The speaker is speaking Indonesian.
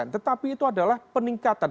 tetapi itu adalah peningkatan